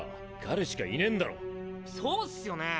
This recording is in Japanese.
そうっスよね